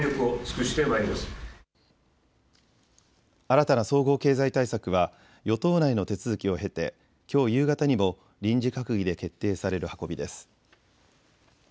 新たな総合経済対策は与党内の手続きを経てきょう夕方にも臨時閣議で決定される運びです。